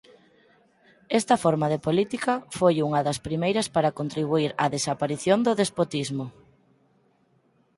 Esta forma de política foi unha das primeiras para contribuír á desaparición do despotismo.